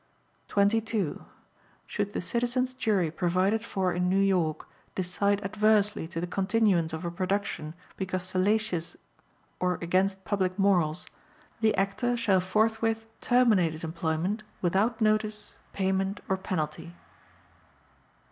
22. Should the Citizens' Jury provided for in New York decide adversely to the continuance of a production because salacious or against public morals, the Actor shall forthwith terminate his employment without notice, payment or penalty.